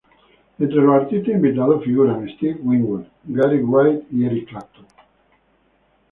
Entre los artistas invitados figuran Steve Winwood, Gary Wright y Eric Clapton.